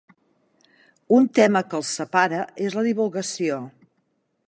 Un tema que els separa és la divulgació.